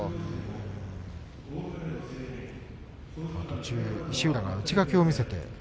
途中石浦が内掛けを見せました。